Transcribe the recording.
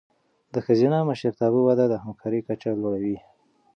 د ښځینه مشرتابه وده د همکارۍ کچه لوړوي.